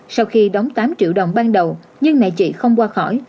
sau khi đóng tám triệu đồng ban đầu nhưng mẹ chị không qua khỏi